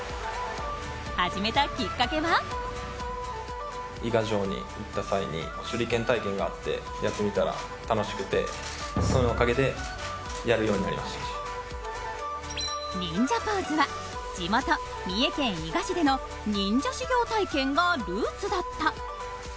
始めたきっかけは忍者ポーズは地元・三重県伊賀市での忍者修行体験がルーツだった。